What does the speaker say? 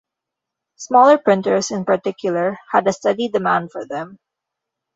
Smaller printers in particular had a steady demand for them.